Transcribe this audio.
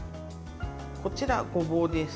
こちら、ごぼうです。